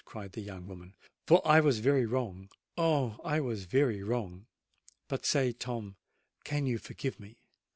cried the young woman: "for I was very wrong—oh! I was very wrong! But say, Tom, can you forgive me?"